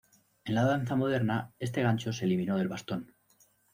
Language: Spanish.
En la danza moderna este gancho se eliminó del bastón.